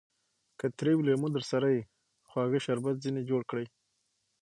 که تريو لېمو درسره يي؛ خواږه شربت ځني جوړ کړئ!